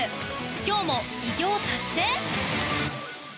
今日も偉業達成？